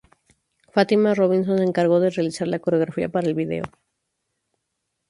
Fatima Robinson se encargó de realizar la coreografía para el vídeo.